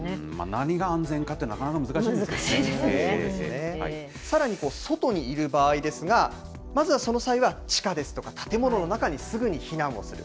何が安全かって、なかなか難さらに外にいる場合ですが、まずはその際は、地下ですとか、建物の中にすぐに避難をする。